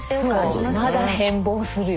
そうまだ変貌するよ。